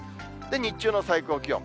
日中の最高気温。